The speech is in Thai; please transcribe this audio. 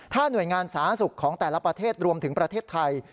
หน่วยงานสาธารณสุขของแต่ละประเทศรวมถึงประเทศไทย